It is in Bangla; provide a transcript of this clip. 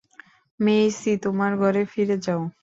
মেইসি, তোমার ঘরে ফিরে যাও!